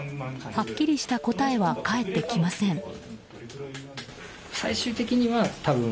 はっきりした答えは返ってきません。